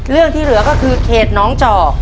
เรื่องที่เหลือก็คือเขตน้องจ่อ